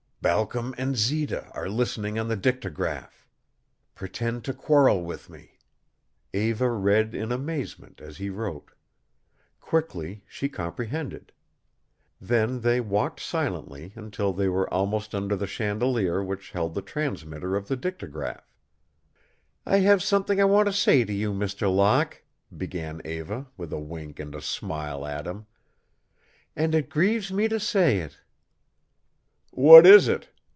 "Balcom and Zita are listening on the dictagraph. Pretend to quarrel with me." Eva read in amazement as he wrote. Quickly she comprehended. Then they walked silently until they were almost under the chandelier which held the transmitter of the dictagraph. "I have something I want to say to you, Mr. Locke," began Eva, with a wink and a smile at him, "and it grieves me to say it." "What is it?"